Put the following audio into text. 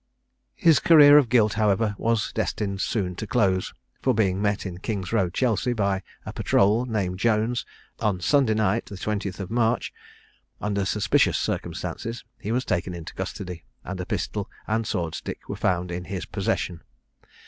His career of guilt, however, was destined soon to close; for being met in King's road, Chelsea, by a patrole named Jones, on Sunday night, the 20th of March, under suspicious circumstances, he was taken into custody, and a pistol and sword stick were found in his possession.